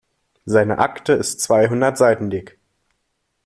Seine Akte ist zweihundert Seiten dick.